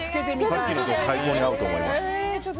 さっきのと最高に合うと思います。